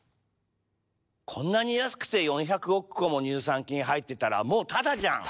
こんなに安くて４００億個も乳酸菌入ってたらもうタダじゃん！